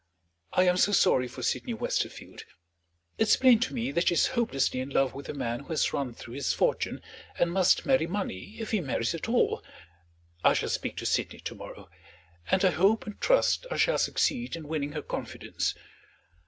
I am so sorry for Sydney Westerfield. It's plain to me that she is hopelessly in love with a man who has run through his fortune, and must marry money if he marries at all. I shall speak to Sydney to morrow; and I hope and trust I shall succeed in winning her confidence.